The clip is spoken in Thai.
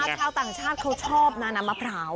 ชาวต่างชาติเขาชอบนะน้ำมะพร้าว